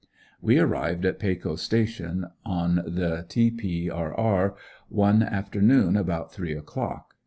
We arrived at Pecos Station, on the T. P. R. R., one afternoon about three o'clock.